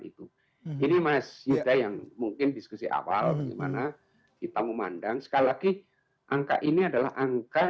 itu ini mas yuda yang mungkin diskusi awal bagaimana kita memandang sekali lagi angka ini adalah angka